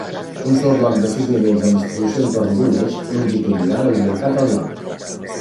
Un sol bloc de sis nivells amb distribució entorn d'un eix longitudinal orientat al nord.